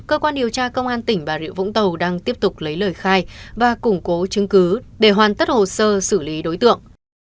cơ quan điều tra công an tỉnh bà rịa vũng tàu đang tiếp tục lấy lời khai và củng cố chứng cứ để hoàn tất hồ sơ xử lý đối tượng